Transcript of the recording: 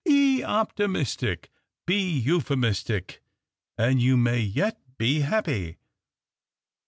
Be optimistic — be euphemistic — and you may fet be happy."